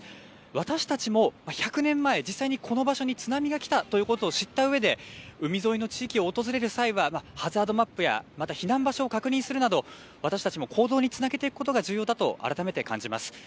私たちも１００年前、実際にこの場所に津波が来たということを知ったうえで海沿いの地域に訪れる際にはハザードマップや避難場所を確認するなど私たちも行動につなげていくことが大事だと改めて感じました。